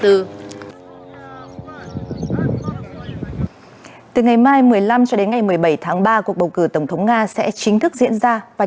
từ ngày mai một mươi năm cho đến ngày một mươi bảy tháng ba cuộc bầu cử tổng thống nga sẽ chính thức diễn ra